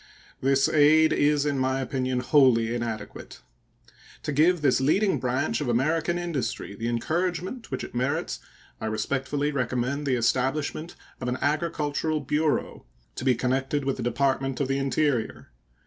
This aid is, in my opinion, wholly inadequate. To give to this leading branch of American industry the encouragement which it merits, I respectfully recommend the establishment of an agricultural bureau, to be connected with the Department of the Interior.